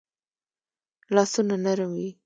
لاسونه نرم وي